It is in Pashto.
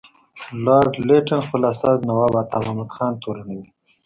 لارډ لیټن خپل استازی نواب عطامحمد خان تورنوي.